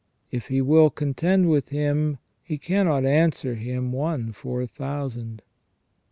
If he will contend with Him, he cannot answer Him one for a thousand."